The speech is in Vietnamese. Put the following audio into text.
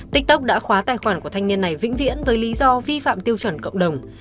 tiktok đã khóa tài khoản của thanh niên này vĩnh viễn với lý do vi phạm tiêu chuẩn cộng đồng